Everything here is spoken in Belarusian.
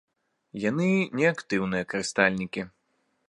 Яны не актыўныя карыстальнікі.